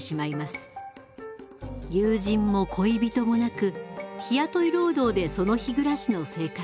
友人も恋人もなく日雇い労働でその日暮らしの生活。